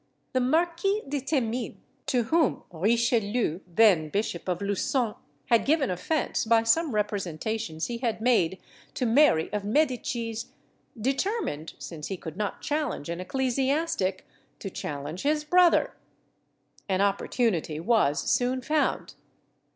The Marquis de Themines, to whom Richelieu, then Bishop of Luçon, had given offence by some representations he had made to Mary of Medicis, determined, since he could not challenge an ecclesiastic, to challenge his brother. An opportunity was soon found.